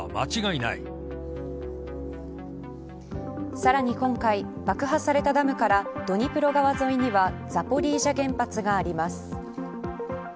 さらに今回爆破されたダムからドニプロ川沿いにはザポリージャ原発があります。